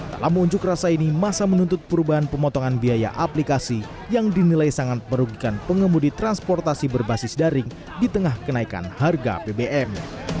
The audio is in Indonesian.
dalam unjuk rasa ini masa menuntut perubahan pemotongan biaya aplikasi yang dinilai sangat merugikan pengemudi transportasi berbasis daring di tengah kenaikan harga bbm